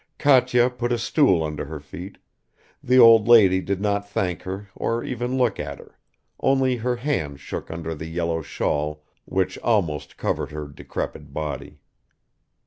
Katya put a stool under her feet; the old lady did not thank her or even look at her, only her hands shook under the yellow shawl which almost covered her decrepit body.